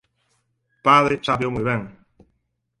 Padre sábeo moi ben.